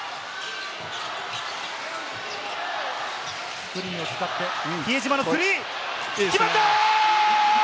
スクリーンを使って比江島のスリー！決まった！